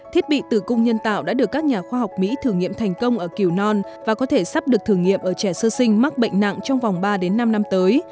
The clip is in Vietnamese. thiết bị tử cung nhân tạo đã được các nhà khoa học mỹ thử nghiệm thành công ở cửu non và có thể sắp được thử nghiệm ở trẻ sơ sinh mắc bệnh nặng trong vòng ba năm năm tới